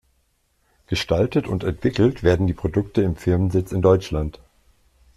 Gestaltet und entwickelt werden die Produkte im Firmensitz in Deutschland.